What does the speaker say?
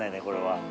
これは。